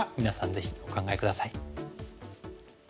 ぜひお考え下さい。